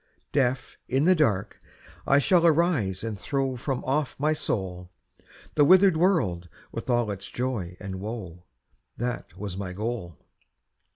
Deaf, in the dark, I shall arise and throw From off my soul, The withered world with all its joy and woe, That was my goal.